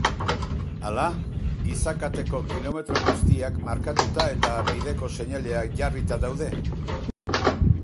Hala, giza kateko kilometro guztiak markatuta eta bideko seinaleak jarrita daude.